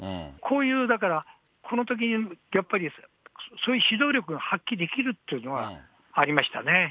こういうだから、このときにやっぱりそういう指導力が発揮できるというのは、ありましたね。